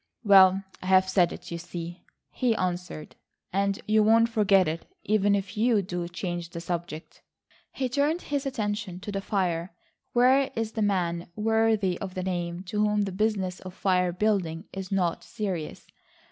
"Well, I've said it, you see," he answered, "and you won't forget it, even if you do change the subject." He turned his attention to the fire. Where is the man, worthy of the name to whom the business of fire building is not serious?